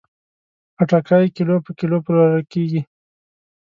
خټکی کیلو په کیلو پلورل کېږي.